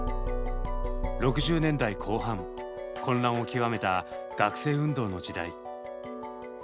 ６０年代後半混乱を極めた学生運動の時代。